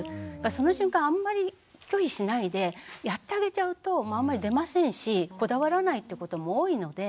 その瞬間あんまり拒否しないでやってあげちゃうとあんまり出ませんしこだわらないってことも多いので。